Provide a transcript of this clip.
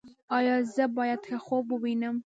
ایا زه باید ښه خوب ووینم؟